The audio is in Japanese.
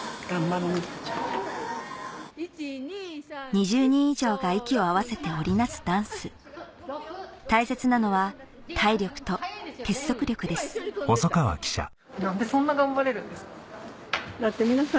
２０人以上が息を合わせて織りなすダンス大切なのは体力と結束力ですおはようございます。